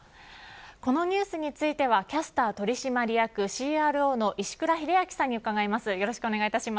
このニュースについてはキャスター取締役ＣＲＯの石倉秀明さんに伺います。